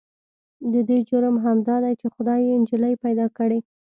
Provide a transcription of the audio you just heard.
د دې جرم همدا دی چې خدای يې نجلې پيدا کړې.